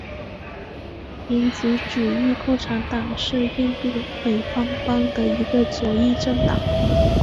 民族主义共产党是印度北方邦的一个左翼政党。